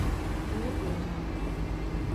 Şunu unutma: